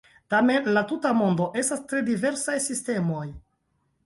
Tamen en la tuta mondo estas tre diversaj sistemoj.